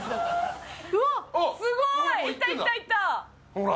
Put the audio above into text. ほら。